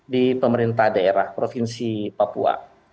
di pemerintah daerah provinsi papua